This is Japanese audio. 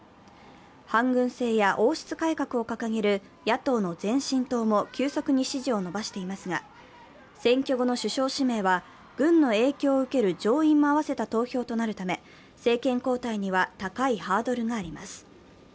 反軍政や王室改革を掲げる野党の前進党も急速に支持を伸ばしていますが、選挙後の首相指名は軍の影響を受ける上院も合わせた投票となるため、政権交代には高いハードルがあります。